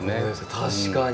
確かに！